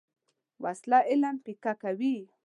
وسله علم پیکه کوي